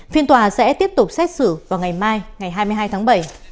phiên tòa sẽ tiếp tục xét xử vào ngày mai ngày hai mươi hai tháng bảy